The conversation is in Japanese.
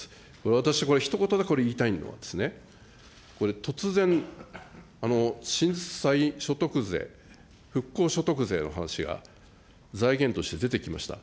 私、これ、ひと言だけこれ言いたいのは、これ、突然、震災所得税、復興所得税の話が財源として出てきました。